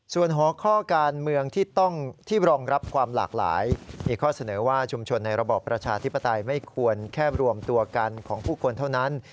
ส่วนหัวข้อการเมืองที่ต้องที่รองรับความหลากหลายมีข้อเสนอว่าชุมชนในระบอบประชาธิปไตยไม่ควรแค่รวมตัวกันของผู้คนเท่านั้น